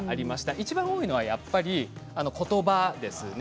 いちばん多いのはやっぱりことばですね。